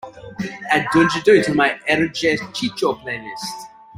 add Dunja, du to my ejercicio playlist